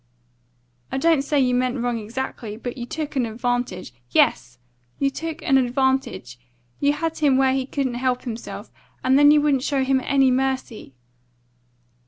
I don't say you meant wrong exactly, but you took an advantage. Yes, you took an advantage! You had him where he couldn't help himself, and then you wouldn't show him any mercy."